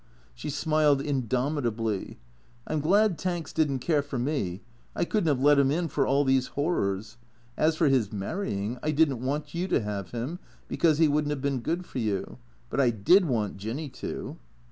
She smiled indomitably. " I 'm glad Tanks didn't care for me. I couldn't have let him in for all these — horrors. As for his marrying — I did n't want you to have him because he would n't have been good for you, but I did want Jinny to."